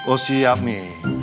oh siap meh